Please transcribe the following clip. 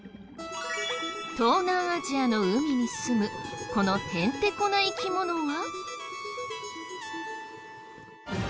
東南アジアの海にすむこのへんてこな生き物は。